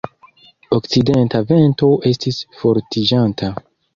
Okcidenta vento estis fortiĝanta.